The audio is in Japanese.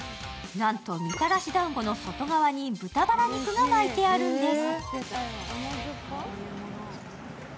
なんと、みたらし団子の外側に豚バラ肉が巻いてあるんです。